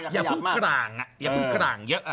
อย่าพึ่งขรางเยอะ